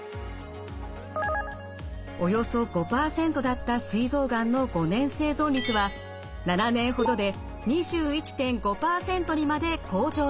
およそ５％だったすい臓がんの５年生存率は７年ほどで２１．５％にまで向上しました。